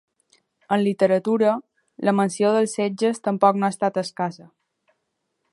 En literatura, la menció dels setges tampoc no ha estat escassa.